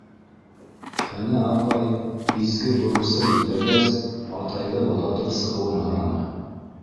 Хәнә апай изге бурысын үтәгәс, атайҙы оҙатып сығыуын һораны.